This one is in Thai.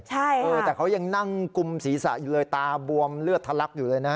ใช่เออแต่เขายังนั่งกุมศีรษะอยู่เลยตาบวมเลือดทะลักอยู่เลยนะฮะ